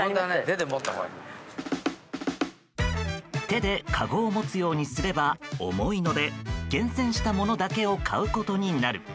手で、かごを持つようにすれば重いので厳選したものだけを買うことになる。